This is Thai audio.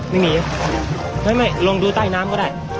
ไม่มีอ่ะไม่ลงดูใต้น้ำก็ได้